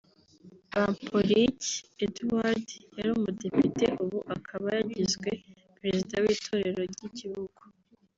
Bamporiki Edouard yari umudepite ubu akaba yagizwe Perezida w’Itorero ry’Igihugu